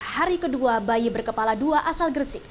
hari kedua bayi berkepala dua asal gresik